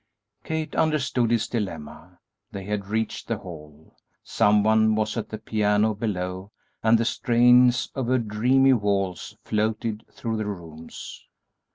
Kate understood his dilemma. They had reached the hall; some one was at the piano below and the strains of a dreamy waltz floated through the rooms.